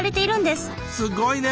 すごいね！